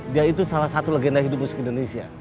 dia itu salah satu legenda hidup musik indonesia